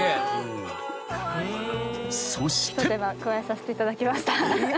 ［そして］加えさせていただきました。